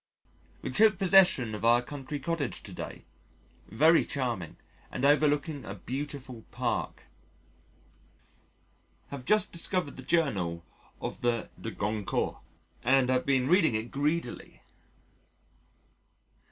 We took possession of our country cottage to day: very charming and overlooking a beautiful Park. Have just discovered the Journal of the De Goncourts and been reading it greedily.